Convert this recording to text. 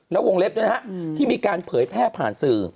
แล้ววงเล็บด้วยนะฮะที่มีการเผยแพร่ผ่านสื่อ